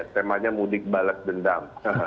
temanya mudik balas dendam